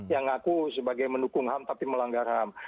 yang ngaku sebagai mendukung ham tapi melanggar ham